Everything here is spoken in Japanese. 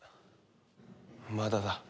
まだだ。